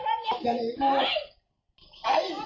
พระภัทริกกันเหมือนไม่ได้